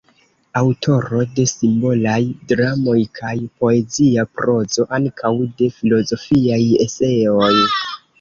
Aŭtoro de simbolaj dramoj kaj poezia prozo, ankaŭ de filozofiaj eseoj.